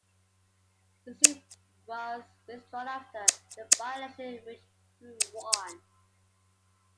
The suit was withdrawn after the by-election, which Prue won.